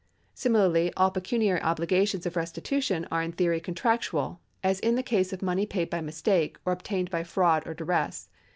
Similarly all pecuniary obligations of restitution are in theory contractual, as in the case of money paid by mistake, or obtained by fraud or duress.